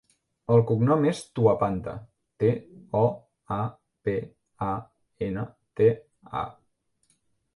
El cognom és Toapanta: te, o, a, pe, a, ena, te, a.